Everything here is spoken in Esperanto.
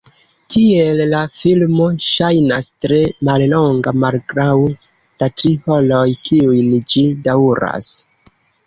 Tiel la filmo ŝajnas tre mallonga malgraŭ la tri horoj kiujn ĝi daŭras.